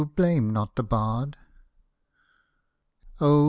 BLAME NOT THE BARD Oh